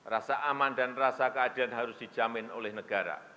rasa aman dan rasa keadilan harus dijamin oleh negara